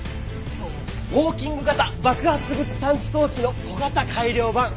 ウォーキング型爆発物探知装置の小型改良版。